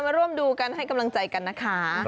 มาร่วมดูกันให้กำลังใจกันนะคะ